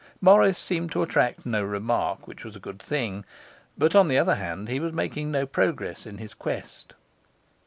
Morris seemed to attract no remark, which was a good thing; but, on the other hand, he was making no progress in his quest.